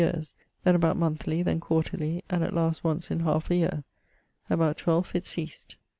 yeares, then about monethly, then quarterly, and at last once in halfe a yeare. About 12 it ceased.